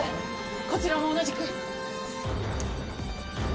こちらも同じく。